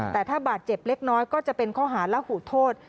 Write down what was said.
แต่ถ้าบาดเจ็บเล็กน้อยก็จะเป็นข้อหาระหูโทษ